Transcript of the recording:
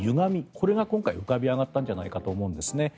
これが今回浮かび上がったんじゃないかと思うんです。